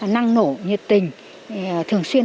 năng nổ nhiệt tình thường xuyên